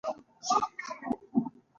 افغانستان د غوښې له امله شهرت لري.